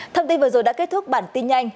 thông tin vừa rồi đã kết thúc bản tin nhanh